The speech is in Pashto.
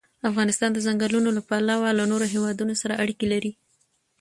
افغانستان د ځنګلونه له پلوه له نورو هېوادونو سره اړیکې لري.